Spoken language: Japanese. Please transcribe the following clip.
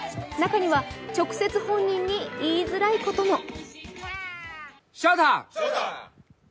中には直接本人に言いづらいことも。